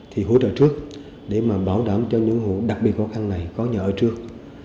thì hỗ trợ trước để mà bảo đảm cho những hộ đặc biệt khó khăn này có nhà ở trước